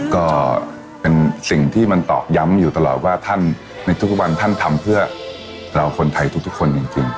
ก็เป็นสิ่งที่มันตอกย้ำอยู่ตลอดว่าท่านในทุกวันท่านทำเพื่อเราคนไทยทุกคนจริง